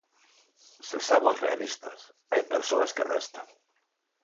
Sexamos realistas: hai persoas que restan.